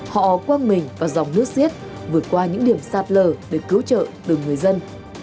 họ quăng mình vào dòng nước riết vượt qua những điểm sạt lờ để cứu trợ từ người dân